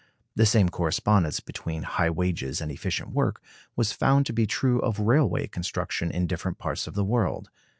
The same correspondence between high wages and efficient work was found to be true of railway construction in different parts of the world.